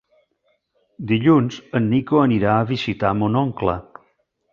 Dilluns en Nico anirà a visitar mon oncle.